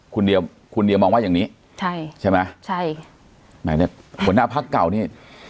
คุณเดียวคุณเดียวมองว่าอย่างนี้ใช่ใช่ไหมใช่หมายเรียกหัวหน้าพักเก่านี่